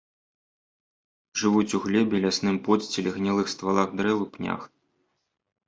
Жывуць у глебе, лясным подсціле, гнілых ствалах дрэў і пнях.